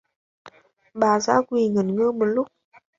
Bà dã quỳ ngẩn ngơ một lúc